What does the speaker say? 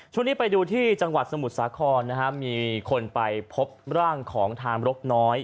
ช่วงนี้ไปดูที่จังหวัดสมุทรสาครนะฮะมีคนไปพบร่างของทามรกน้อย